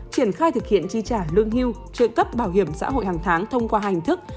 triển khai thực hiện chi trả lương hưu trợ cấp bảo hiểm xã hội hàng tháng thông qua hình thức